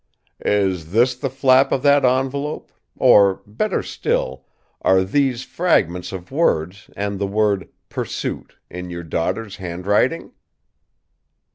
"Is this the flap of that envelope; or, better still, are these fragments of words and the word 'Pursuit' in your daughter's handwriting?"